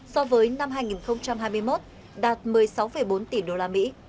so với năm hai nghìn hai mươi một đạt một mươi sáu bốn tỷ usd